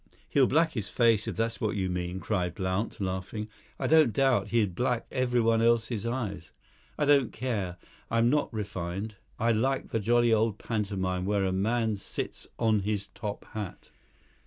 "He'll black his face, if that's what you mean," cried Blount, laughing. "I don't doubt he'd black everyone else's eyes. I don't care; I'm not refined. I like the jolly old pantomime where a man sits on his top hat."